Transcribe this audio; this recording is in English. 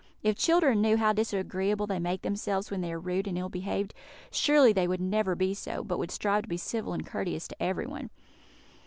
If children knew how disagreeable they make themselves when they are rude and ill behaved, surely they would never be so, but would strive to be civil and courteous to everyone.